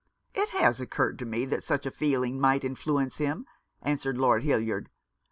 " It has occurred to me that such a feeling might influence him," answered Lord Hildyard.